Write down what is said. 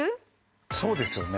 そうですよね。